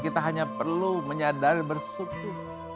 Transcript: kita hanya perlu menyadari bersyukur